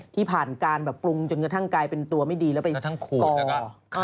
ที่ผ่านการแบบปรุงจนกระทั่งกลายเป็นตัวไม่ดีแล้วไปก่อ